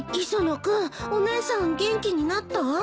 磯野君お姉さん元気になった？